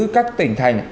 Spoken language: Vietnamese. các tỉnh thành